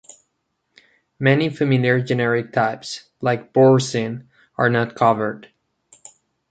Many familiar generic types, like Boursin, are not covered.